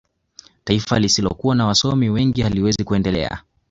taifa lisilokuwa na wasomi wengi haliwezi kuendelea